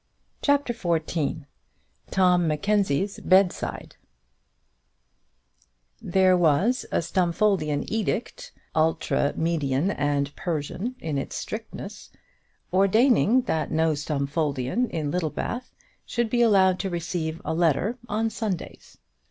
CHAPTER XIV Tom Mackenzie's Bed Side There was a Stumfoldian edict, ultra Median and Persian in its strictness, ordaining that no Stumfoldian in Littlebath should be allowed to receive a letter on Sundays.